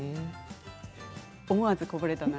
思わずこぼれた涙。